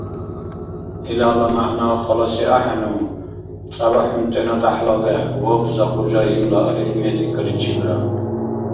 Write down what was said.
Илала мягӀна халаси ахӀену, цӀябахӀунтӀена дяхӀла вегӀ, вабза хужаимла арифметикаличибра?